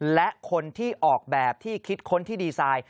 และคนที่ออกแบบที่คิดค้นที่ดีไซน์